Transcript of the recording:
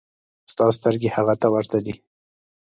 ستا سترګې هغه ته ورته دي.